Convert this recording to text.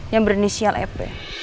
yang berinisial ep